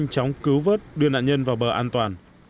nhanh chóng cứu vớt đưa nạn nhân vào bờ an toàn